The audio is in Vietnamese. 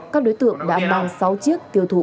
các đối tượng đã mang sáu chiếc tiêu thụ